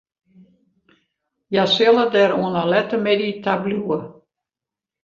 Hja sille der oan 'e lette middei ta bliuwe.